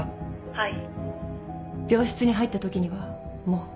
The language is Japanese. はい。